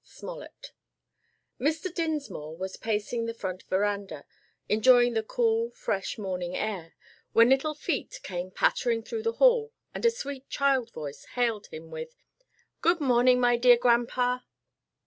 SMOLLET. Mr. Dinsmore was pacing the front veranda, enjoying the cool, fresh morning air, when little feet came pattering through the hall and a sweet child voice hailed him with, "Good morning, my dear grandpa."